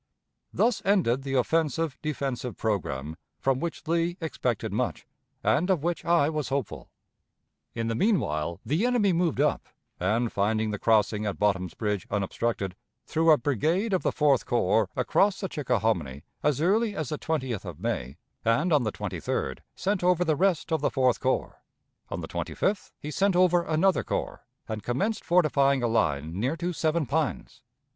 Thus ended the offensive defensive programme from which Lee expected much, and of which I was hopeful. In the mean while the enemy moved up, and, finding the crossing at Bottom's Bridge unobstructed, threw a brigade of the Fourth Corps across the Chickahominy as early as the 20th of May, and on the 23d sent over the rest of the Fourth Corps; on the 25th he sent over another corps, and commenced fortifying a line near to Seven Pines.